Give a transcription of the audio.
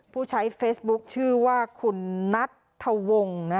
ผู้ใช้เฟสบุ๊คชื่อว่าคุณนัทเถางศ์นะคะ